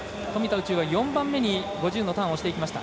宇宙は４番目に５０のターンをしていきました。